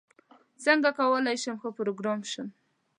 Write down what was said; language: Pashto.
څنګه کولاي شم ښه پروګرامر شم؟